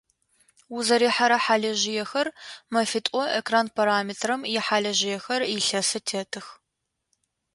Узэрихьэрэ хьалыжъыехэр мэфитӏо, экран параметрэм ихьалыжъыехэр илъэсэ тетых.